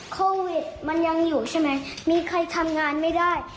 โควิดมันยังอยู่ใช่ไหมมีใครทำงานไม่ได้